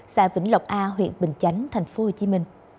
xa vĩnh lộc a huyện bình chánh tp hcm